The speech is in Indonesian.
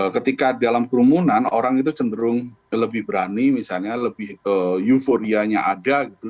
ketika dalam kerumunan orang itu cenderung lebih berani misalnya lebih euforianya ada gitu